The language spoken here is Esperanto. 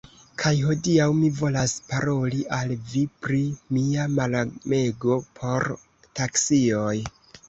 Kaj hodiaŭ mi volas paroli al vi pri mia malamego por taksioj.